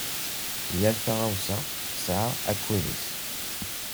Yal taɣawsa tesɛa akud-is.